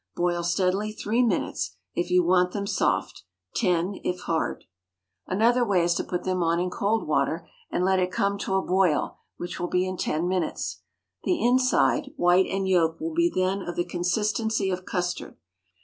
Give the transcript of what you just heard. Boil steadily three minutes, if you want them soft—ten, if hard. Another way is to put them on in cold water, and let it come to a boil, which will be in ten minutes. The inside, white and yolk, will be then of the consistency of custard.